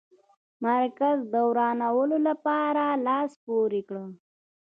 مرکز د ورانولو لپاره لاس پوري کړ.